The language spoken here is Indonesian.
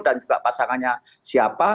dan juga pasangannya siapa